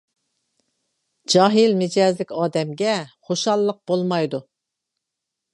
جاھىل مىجەزلىك ئادەمگە خۇشاللىق بولمايدۇ.